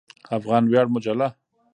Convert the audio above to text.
افغان ویاړ مجله